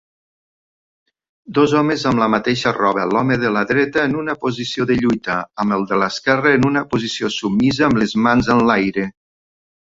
Dos homes amb la mateixa roba, l'home de la dreta en una posició de lluita, amb el de l'esquerra en una posició submisa amb les mans en l'aire.